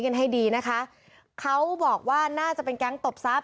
กันให้ดีนะคะเขาบอกว่าน่าจะเป็นแก๊งตบทรัพย